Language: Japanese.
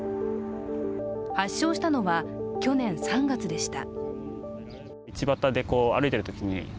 発症したのは去年３月でした。